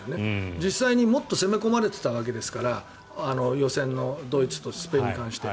実際にもっと攻め込まれていたわけですから予選のドイツとスペインに関しては。